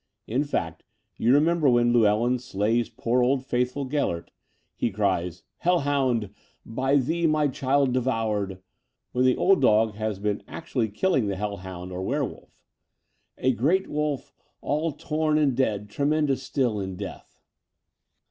In fact, you remember when Llewellyn slays poor old faithful Gelert, he cries 'Hell hoimd, by thee my child devoured,* when the old dog has been actually killing the hell hoimd or werewolf — 'a great wolf all torn and dead — tremendous still in death.'"